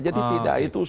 jadi tidak itu